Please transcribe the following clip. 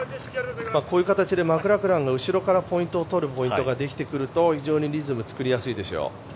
こういう形でマクラクラン後ろからポイントを取るポイントができてくると非常にリズムが作りやすいですよ。